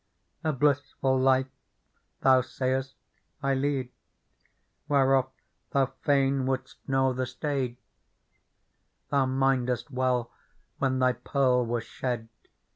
" A blissful life, thou say'st, I lead. Whereof thou fain would'st know the stage : Thou mindest well, when thy Pearl was shed.